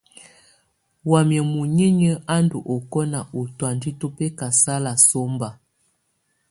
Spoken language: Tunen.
Wamɛ̀á muninyǝ a ndù ɔkɔna u tɔ̀ánjɛ tù bɛkasala sɔmba.